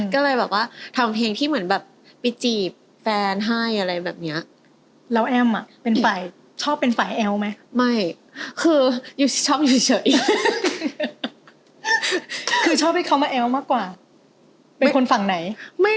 ก็เลยทำเพลงที่เหมือนไปจีบแฟนให้อะไรแบบนี้